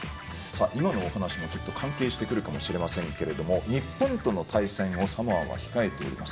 今のお話に関係してくるかもしれませんけども日本との対戦をサモアは控えています。